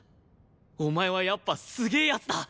お前はやっぱすげえ奴だ！